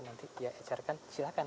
nanti dia ecerkan silahkan